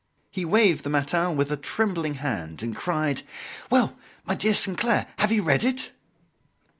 He waved the "Matin" with a trembling hand, and cried: "Well, my dear Sainclair, have you read it?"